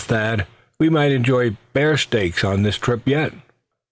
Thad, we might enjoy bear steak on this trip yet."